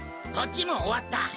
こっちも終わった。